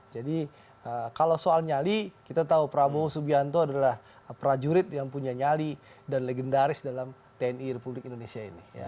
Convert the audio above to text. jadi kalau soal nyali kita tahu prabowo subianto adalah prajurit yang punya nyali dan legendaris dalam tni republik indonesia ini